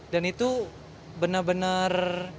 dan itu benar benar